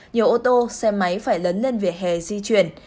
nhiều ô tô xe máy phải lớn lên vỉa hè di chuyển